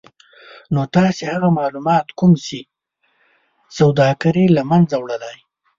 نو تاسې هغه مالومات کوم چې سوداګري له منځه وړلای